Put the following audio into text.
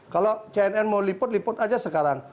kalau cnn mau liput liput aja sekarang